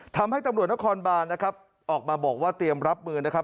ตำรวจนครบานนะครับออกมาบอกว่าเตรียมรับมือนะครับ